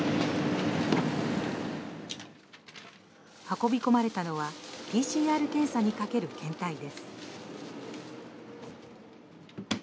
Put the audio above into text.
運び込まれたのはＰＣＲ検査にかける検体です。